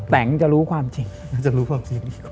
แตงจะรู้ความจริง